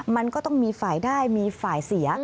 มันก็ต้องมีฝ่ายได้มีฝ่ายเสีย